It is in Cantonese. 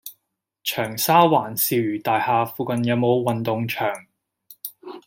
長沙灣肇如大廈附近有無運動場？